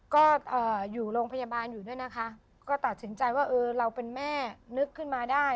ก็อยู่โรงพยาบาลอยู่ด้วยนะคะก็ตัดสินใจว่าเออเราเป็นแม่นึกขึ้นมาได้